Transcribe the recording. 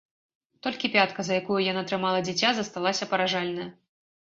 Толькі пятка, за якую яна трымала дзіця, засталася паражальная.